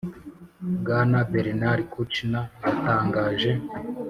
Bwana Bernard Kouchner yatangaje